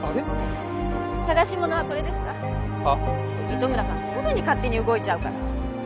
糸村さんすぐに勝手に動いちゃうから。